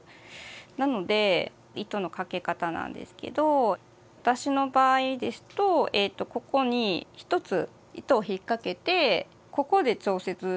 なので糸のかけ方なんですけど私の場合ですとここに１つ糸を引っ掛けてここで調節。